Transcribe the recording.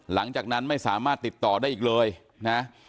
หลังจากนั้นไม่สามารถติดต่อได้อีกเลยนะ